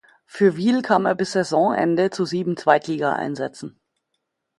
Für Wil kam er bis Saisonende zu sieben Zweitligaeinsätzen.